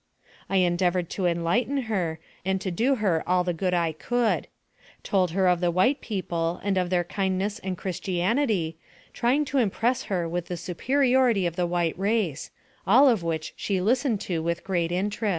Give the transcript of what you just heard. I endeavered to enlighten her, and to do her all the good I could; told her of the white people, and of their kindness and Christianity, trying to impress her with the superiority of the white race, all of which she listened to with great interest.